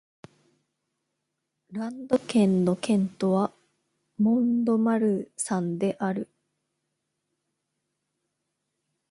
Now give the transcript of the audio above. ランド県の県都はモン＝ド＝マルサンである